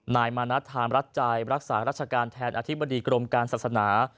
นายมณัฐธามรัฐใจรักษารัชการแทนอธิบดีกรมการศาสนา